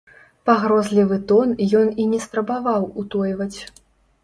Пагрозлівы тон ён і не спрабаваў утойваць.